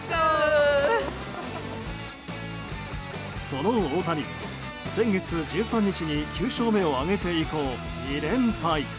その大谷、先月１３日に９勝目を挙げて以降、２連敗。